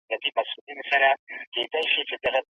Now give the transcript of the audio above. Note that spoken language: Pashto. هغه په خپل ځان باوري وه.